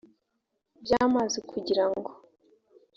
by amazi kugira ngo